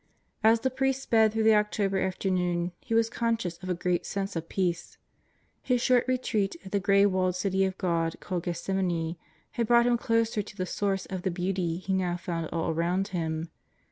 As the priest sped through the October afternoon he was con scious of a great sense of peace. His short retreat at the gray walled City of God called Gethsemani, had brought him 1 close to the Source of the beauty he now found all around him.